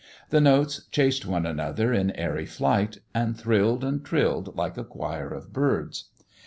The notes chased one another in airy flight, and thrilled and trilled like a choir of birds.